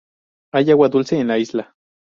Hay agua dulce en la isla.